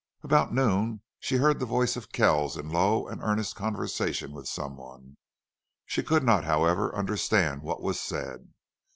About noon she heard the voice of Kells in low and earnest conversation with someone; she could not, however, understand what was said.